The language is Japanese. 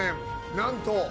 なんと。